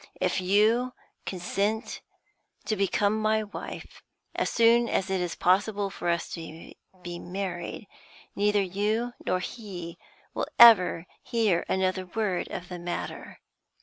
If you consent to become my wife as soon as it is possible for us to be married, neither you nor he will ever hear another word of the matter.